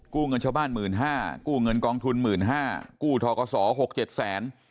เงินชาวบ้าน๑๕๐๐กู้เงินกองทุน๑๕๐๐กู้ทกศ๖๗แสน